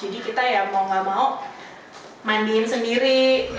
kita ya mau gak mau mandiin sendiri